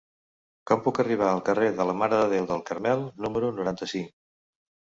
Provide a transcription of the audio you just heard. Com puc arribar al carrer de la Mare de Déu del Carmel número noranta-cinc?